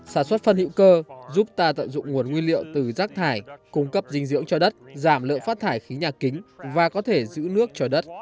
sản xuất phân hữu cơ giúp ta tận dụng nguồn nguyên liệu từ rác thải cung cấp dinh dưỡng cho đất giảm lượng phát thải khí nhà kính và có thể giữ nước cho đất